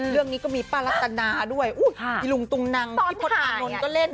เรื่องนี้ก็มีประลักษณะด้วยอู๋อีหลวงตุงนังพี่พลธอานนนก็เล่น